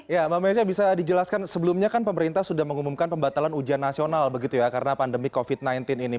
ya mbak mesya bisa dijelaskan sebelumnya kan pemerintah sudah mengumumkan pembatalan ujian nasional begitu ya karena pandemi covid sembilan belas ini